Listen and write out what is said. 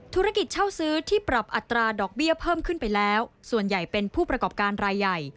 ธุรกิจเช่าซื้อที่ปรับอัตราดอกเบี้ยเพิ่มขึ้นไปแล้วส่วนใหญ่เป็นผู้ประกอบการรายใหญ่